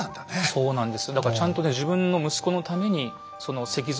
そうなんです。